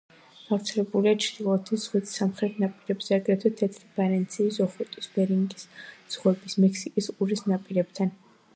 გავრცელებულია ჩრდილოეთის ზღვის სამხრეთ ნაპირებზე, აგრეთვე თეთრი, ბარენცის, ოხოტის, ბერინგის ზღვების, მექსიკის ყურის ნაპირებთან.